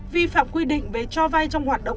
vi phạm quy định về cho vay trong hoạt động